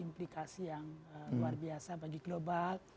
implikasi yang luar biasa bagi global